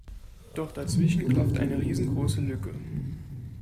Doch dazwischen klafft eine riesengroße Lücke.